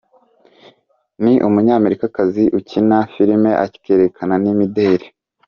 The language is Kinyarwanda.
Ni umunyamerikakazi ukina filime akerekana n’imideri.